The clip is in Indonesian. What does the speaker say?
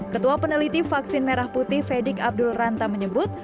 ketua peneliti vaksin merah putih fedik abdul ranta menyebut